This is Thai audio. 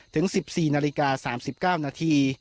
ถึง๑๔นาฬิกา๓๙นาที